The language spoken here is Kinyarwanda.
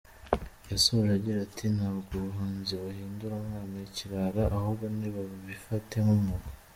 Yasoje agira ati: “Ntabwo ubuhanzi buhindura umwana ikirara, ahubwo ni babifate nk’umwuga.